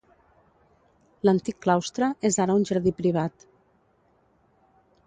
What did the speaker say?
L'antic claustre és ara un jardí privat.